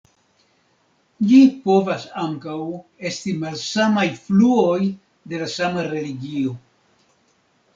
Ĝi povas ankaŭ esti malsamaj fluoj de la sama religio.